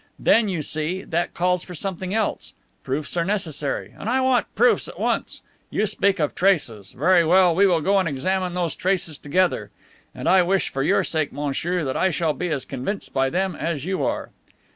Then, you see, that calls for something else. Proofs are necessary, and I want the proofs at once. You speak of traces; very well, we will go and examine those traces together. And I wish for your sake, monsieur, that I shall be as convinced by them as you are."